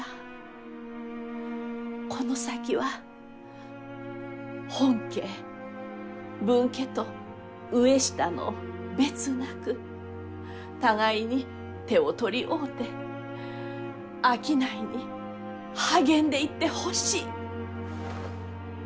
この先は本家分家と上下の別なく互いに手を取り合うて商いに励んでいってほしい！